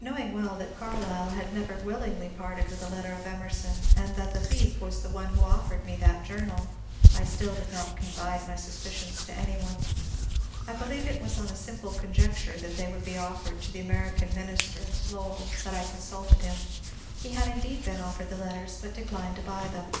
Knowing well that Carlyle had never willingly parted wiUi a letter of Emerson, and that the thief was the one who offered me that journal, I still did not confide my suspicions to any one. I be lieve it was on a simple conjecture that they would be offered to the American Minister (LoweU) that I consulted him. He had indeed been offered the letters, but declined to buy them.